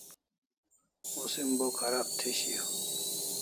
Musim bo kharab thi shiau